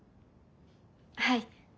はい。